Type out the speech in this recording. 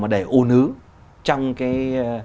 để ùn ứ trong cái